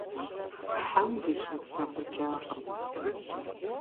- Хьэм дытеплъэкъукӏакъым.